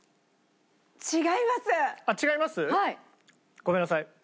ごめんなさい。